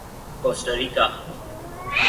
کوسٹا ریکا